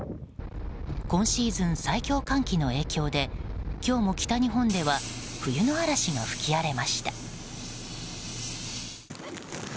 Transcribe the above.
今シーズン最強寒気の影響で今日も北日本では冬の嵐が吹き荒れました。